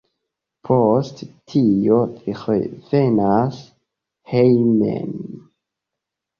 Post tio li revenas hejmen.